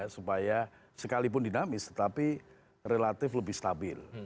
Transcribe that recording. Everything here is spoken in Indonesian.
supaya sekalipun dinamis tetapi relatif lebih stabil